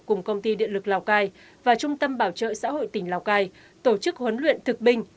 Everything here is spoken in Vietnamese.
cùng công ty điện lực lào cai và trung tâm bảo trợ xã hội tỉnh lào cai tổ chức huấn luyện thực binh